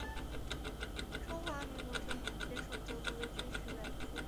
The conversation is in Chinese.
中华民国政府接受德国的军事援助。